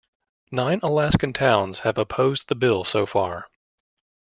Nine Alaskan towns have opposed the bill so far.